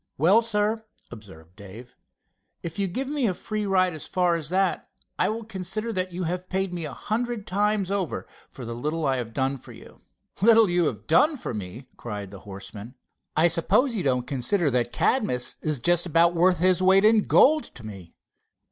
"Well, sir," observed Dave, "if you will give me a free ride that far, I will consider that you have paid me a hundred times over for the little I've done for you." "Little you've done for me?" cried the horseman. "I suppose you don't consider that Cadmus is just about worth his weight in gold to me.